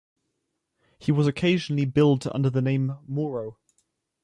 He was occasionally billed under the name Moreau.